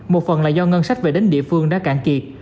một phần là do ngân sách về đến địa phương đã cạn kiệt